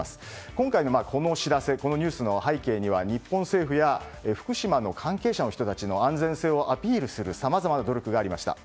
今回の知らせニュースの背景には日本政府や福島の関係者の人たちの安全性をアピールするさまざまな努力がありました。